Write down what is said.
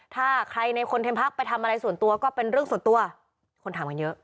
ถ้าใครในคนเทมพักไปทำอะไรส่วนตัวก็เป็นเรื่องส่วนตัวคนถามกันเยอะ